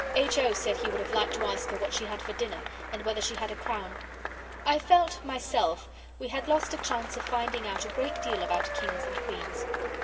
H. O. said he would have liked to ask her what she had for dinner and whether she had a crown. I felt, myself, we had lost a chance of finding out a great deal about kings and queens.